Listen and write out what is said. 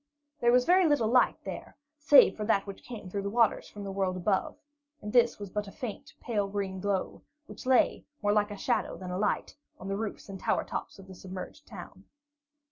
There was very little light there, save for that which came through the waters from the world above, and this was but a faint, pale green glow, which lay, more like a shadow than a light on the roofs and tower tops of the submerged town.